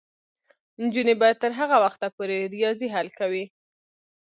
نجونې به تر هغه وخته پورې ریاضي حل کوي.